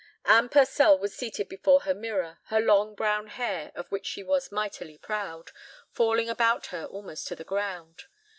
Anne Purcell was seated before her mirror, her long, brown hair, of which she was mightily proud, falling about her almost to the ground.